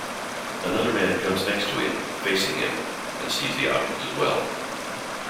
Another man comes next to him, facing him, and sees the object as well.